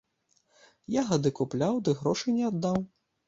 Ягады купляў, ды грошы не аддаў.